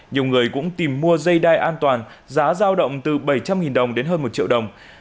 nhiều người cũng tìm mua dây đai an toàn giá giao động từ bảy trăm linh đồng đến hơn một triệu đồng